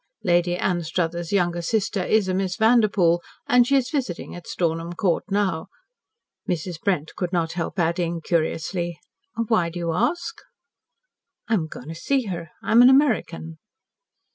"Lady Anstruthers' younger sister is a Miss Vanderpoel, and she is visiting at Stornham Court now." Mrs. Brent could not help adding, curiously, "Why do you ask?" "I am going to see her. I'm an American."